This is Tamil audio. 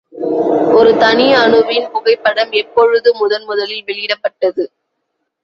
ஒரு தனி அணுவின் புகைப்படம் எப்பொழுது முதன்முதலில் வெளியிடப்பட்டது?